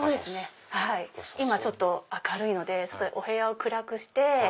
今明るいのでお部屋を暗くして。